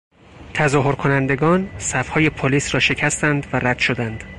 تظاهرکنندگان صفهای پلیس را شکستند و رد شدند.